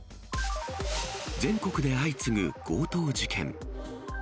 全国で相次ぐ強盗事件。